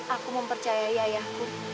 aku mempercayai ayahku